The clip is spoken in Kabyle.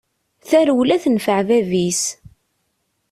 Tarewla tenfeɛ bab-is!